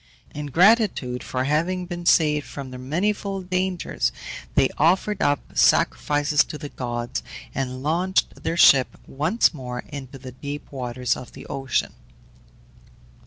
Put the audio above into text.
In gratitude for having been saved from their manifold dangers they offered up sacrifices to the gods, and launched their ship once more into the deep waters of the ocean.